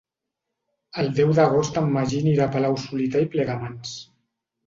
El deu d'agost en Magí anirà a Palau-solità i Plegamans.